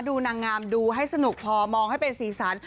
นางงามดูให้สนุกพอมองให้เป็นสีสัน